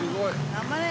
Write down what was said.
頑張れ。